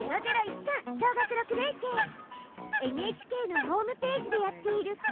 ＮＨＫのホームページでやっている「Ｗｈｙ！？